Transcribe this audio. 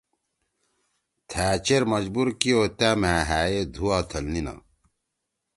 تھأ چیر مجبور کیو تا مھأ ہأ یے دُھوا تھل نینا۔